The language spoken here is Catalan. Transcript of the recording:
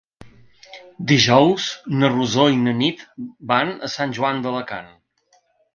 Dijous na Rosó i na Nit van a Sant Joan d'Alacant.